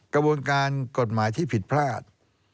กระบวนการกฎหมายที่ผิดพลาด